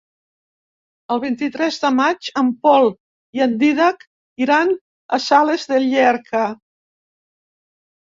El vint-i-tres de maig en Pol i en Dídac iran a Sales de Llierca.